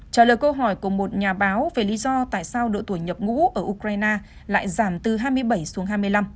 trả lời câu hỏi của một nhà báo về lý do tại sao độ tuổi nhập ngũ ở ukraine lại giảm từ hai mươi bảy xuống hai mươi năm